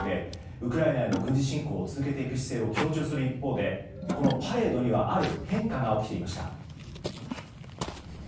ウクライナへの軍事侵攻を続けていく姿勢を強調する一方でこのパレードにはある変化が起きていました。